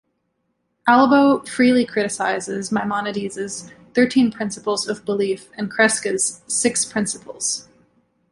Albo freely criticizes Maimonides' thirteen principles of belief and Crescas' six principles.